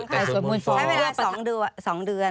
ใช้เวลา๒เดือน